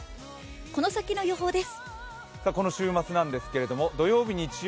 この先の予報です。